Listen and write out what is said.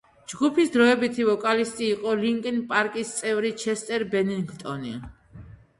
ჯგუფის დროებითი ვოკალისტი იყო ლინკინ პარკის წევრი ჩესტერ ბენინგტონი.